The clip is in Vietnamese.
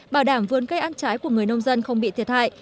bảo đảm vườn cây ăn trái của người nông dân không bị thiệt hại